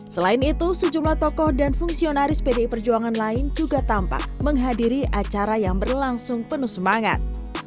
selain itu sejumlah tokoh dan fungsionaris pdi perjuangan lain juga tampak menghadiri acara yang berlangsung penuh semangat